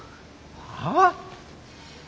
はあ？